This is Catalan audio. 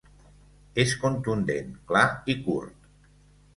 És contundent, clar i curt.